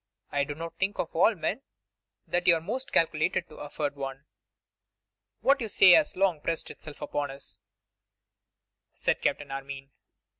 I do not think, of all men, that you are most calculated to afford one.' 'What you say has long pressed itself upon us,' said Captain Armine.